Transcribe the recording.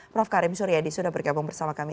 prof karim suryadi sudah bergabung bersama kami